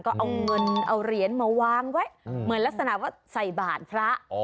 ก็เอาเงินเอาเหรียญมาวางไว้เหมือนลักษณะว่าใส่บาทพระ